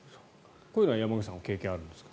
こういうのは山口さん、経験あるんですか？